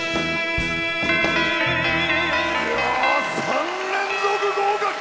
３連続合格！